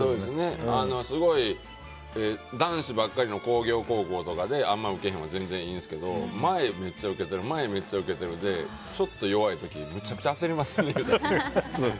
すごい男子ばっかりの工業高校とかで、あまりウケないのはいいんですけど前、めっちゃウケてる前、めっちゃウケてるでちょっと弱い時めちゃくちゃ焦りますね。